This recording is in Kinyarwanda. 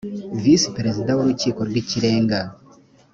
visi perezida w urukiko rw ikirenga